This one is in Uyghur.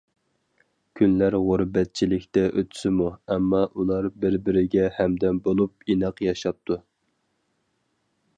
كۈنلەر غۇربەتچىلىكتە ئۆتسىمۇ، ئەمما ئۇلار بىر- بىرىگە ھەمدەم بولۇپ ئىناق ياشاپتۇ.